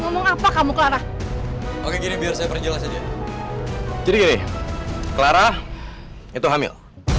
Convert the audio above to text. ngomong apa kamu kelarang oke gini biar saya perjelas aja jadi gini clara itu hamil